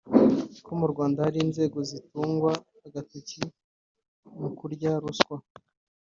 ko mu Rwanda hari inzego zitungwa agatoki mu kurya ruswa